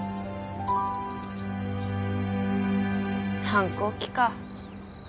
反抗期か。